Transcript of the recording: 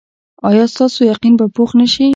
ایا ستاسو یقین به پوخ نه شي؟